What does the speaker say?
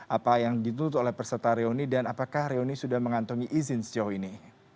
apa yang dituntut oleh peserta reuni dan apakah reuni sudah mengantongi izin sejauh ini